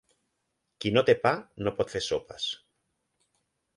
Qui no té pa no pot fer sopes.